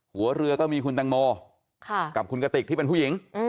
หัวเรือก็มีคุณตังโมกับคุณกติกที่เป็นผู้หญิง